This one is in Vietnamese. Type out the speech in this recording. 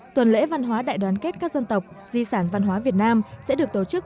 tuần lễ văn hóa đại đoàn kết các dân tộc di sản văn hóa việt nam sẽ được tổ chức